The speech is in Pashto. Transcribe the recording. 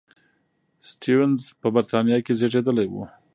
سټيونز په بریتانیا کې زېږېدلی و.